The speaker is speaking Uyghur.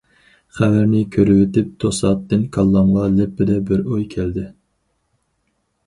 خەۋەرنى كۆرۈۋېتىپ توساتتىن كاللامغا لىپپىدە بىر ئوي كەلدى.